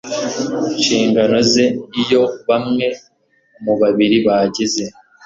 nshingano ze iyo bamwe mu bari bagize